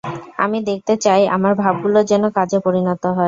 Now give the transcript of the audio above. আমি দেখতে চাই আমার ভাবগুলি যেন কাজে পরিণত হয়।